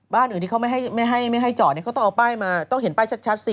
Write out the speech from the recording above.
บ้านอื่นที่เขาไม่ให้จอดเขาต้องเอาป้ายมาต้องเห็นป้ายชัดสิ